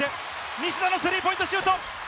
西田のスリーポイントシュート。